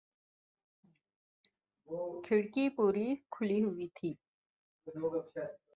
کھڑکی پوری کھلی ہوئی تھی